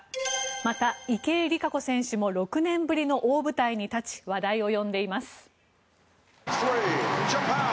また、池江璃花子選手も６年ぶりの大舞台に立ち話題を呼んでいます。